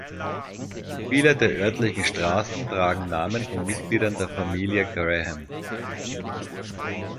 Viele der örtlichen Straßen tragen Namen von Mitgliedern der Familie Graham.